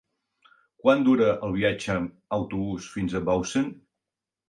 Quant dura el viatge en autobús fins a Bausen?